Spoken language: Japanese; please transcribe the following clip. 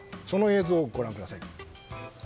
その映像をご覧ください。